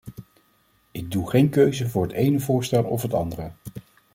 Ik doe geen keuze voor het ene voorstel of het andere.